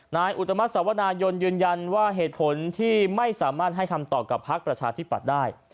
อุตมัติสวนายนยืนยันว่าเหตุผลที่ไม่สามารถให้คำตอบกับพักประชาธิปัตย์ได้